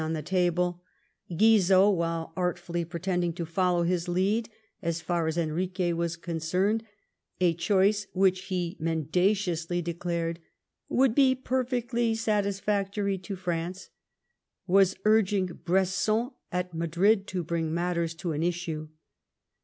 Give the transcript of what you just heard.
106 on the table, Ouizot, while artfully pretending to follow his lead, as far as Enrique was concerned, a choice which he mendaciously declared " would be perfectly ^<^ satisfactory to France," was urging Bresson at Madrid to bring matters to an issue.